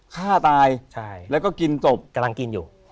ฆ่าตายแล้วก็กินศพกำลังกินอยู่